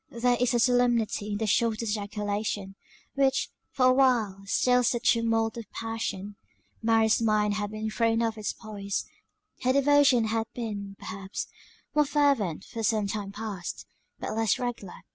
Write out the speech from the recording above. There is a solemnity in the shortest ejaculation, which, for a while, stills the tumult of passion. Mary's mind had been thrown off its poise; her devotion had been, perhaps, more fervent for some time past; but less regular.